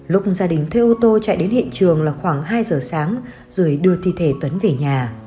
lúc gia đình thuê ô tô chạy đến hiện trường là khoảng hai giờ sáng rồi đưa thi thể tuấn về nhà